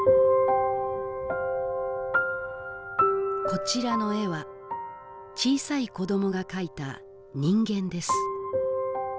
こちらの絵は小さい子供が描いた人間です